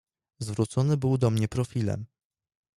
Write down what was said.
"Zwrócony był do mnie profilem."